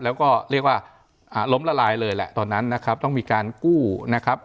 แล้วก็เรียกว่าล้มละลายเลยแหละตอนนั้นนะครับต้องมีการกู้นะครับ